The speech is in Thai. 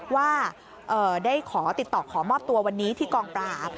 ว่าได้ขอติดต่อขอมอบตัววันนี้ที่กองปราบ